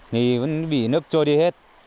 thì vẫn bị nước trôi đi hết